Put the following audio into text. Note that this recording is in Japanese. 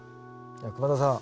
熊澤さん